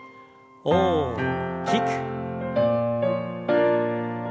大きく。